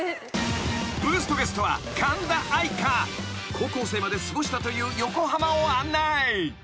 ［高校生まで過ごしたという横浜を案内］